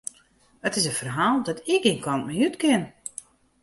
It is in ferhaal dêr't ik gjin kant mei út kin.